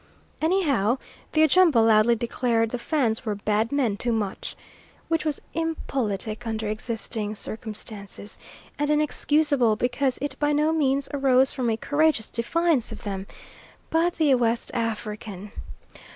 Anyhow the Ajumba loudly declared the Fans were "bad men too much," which was impolitic under existing circumstances, and inexcusable, because it by no means arose from a courageous defiance of them; but the West African!